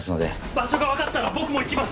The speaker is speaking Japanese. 場所が分かったら僕も行きます！